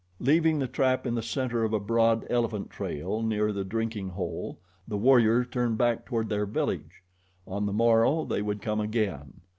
Leaving the trap in the center of a broad elephant trail near the drinking hole, the warriors turned back toward their village. On the morrow they would come again.